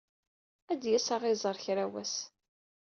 Ad d-yas ad aɣ-iẓer kra n wass.